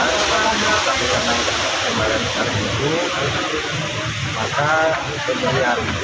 berakhir masa berikutnya dilaksanakan